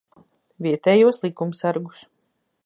Vietējos likumsargus.